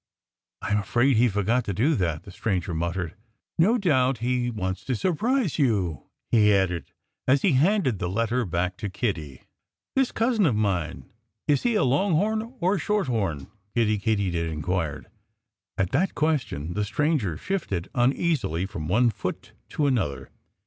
"I'm afraid he forgot to do that," the stranger muttered. "No doubt he wants to surprise you," he added, as he handed the letter back to Kiddie. "This cousin of mine is he a Long horn or a Short horn?" Kiddie Katydid inquired. At that question the stranger shifted uneasily from one foot to another.